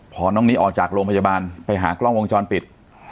พอน้องนิออกจากโรงพยาบาลไปหากล้องวงจรปิด